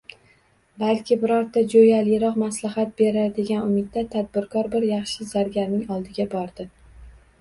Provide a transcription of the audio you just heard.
Balki birorta joʻyaliroq maslahat berar degan umidda tadbirkor bir yaxshi zargarning oldiga bordi